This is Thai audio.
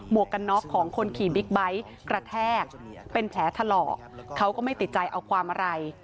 วกกันน็อกของคนขี่บิ๊กไบท์กระแทกเป็นแผลถลอกเขาก็ไม่ติดใจเอาความอะไร